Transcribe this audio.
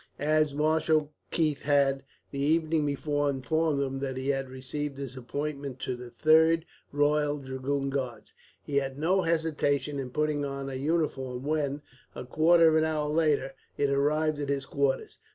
As Marshal Keith had, the evening before, informed him that he had received his appointment to the 3rd Royal Dragoon Guards, he had no hesitation in putting on a uniform when, a quarter of an hour later, it arrived at his quarters.